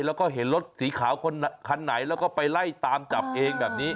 แล้วก็เห็นรถสีขาวคันไหนแล้วก็ไปไล่ตามจับเองแบบนี้